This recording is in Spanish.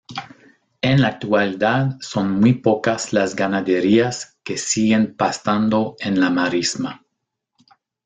En la actualidad son muy pocas las ganaderías que siguen pastando en la marisma.